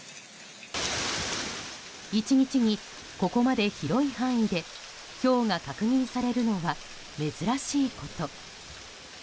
１日にここまで広い範囲でひょうが確認されるのは珍しいこと。